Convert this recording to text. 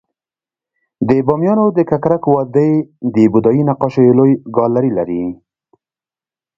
د بامیانو د ککرک وادی د بودایي نقاشیو لوی ګالري لري